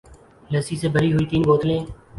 لسی سے بھری ہوئی تین بوتلیں